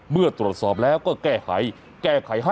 เมื่อตรวจสอบแล้วก็แก้ไขแก้ไขให้